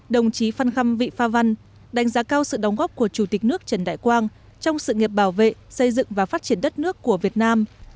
đồng chí phan khâm vị pha văn đánh giá cao sự đóng góp của chủ tịch nước trần đại quang trong sự nghiệp bảo vệ xây dựng và phát triển đất nước của việt nam